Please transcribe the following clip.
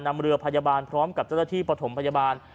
นำเรือพยาบาลพร้อมกับเจ้าหน้าที่ปฐมพยาบาล